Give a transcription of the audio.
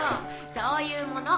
そういうもの。